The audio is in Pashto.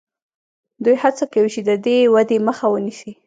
دوی هڅه کوي چې د دې ودې مخه ونیسي.